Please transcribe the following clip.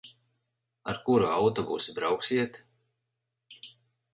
Ar kuru autobusu brauksiet?